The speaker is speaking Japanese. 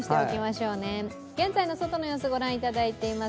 現在の外の様子を御覧いただいています。